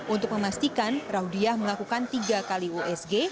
untuk memastikan raudiah melakukan tiga kali usg